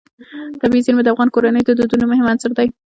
طبیعي زیرمې د افغان کورنیو د دودونو مهم عنصر دی.